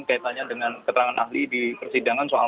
kaitannya dengan keterangan ahli di persidangan soal